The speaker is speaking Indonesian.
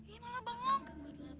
ih malah bangung